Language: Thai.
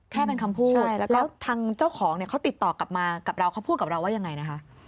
แค่เป็นคำพูดแล้วทางเจ้าของเนี่ยเขาติดต่อกลับมากับเราเขาพูดกับเราว่ายังไงนะคะ